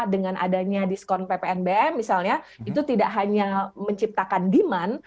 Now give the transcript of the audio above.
dengan adanya diskon ppnbm misalnya itu tidak hanya menciptakan demand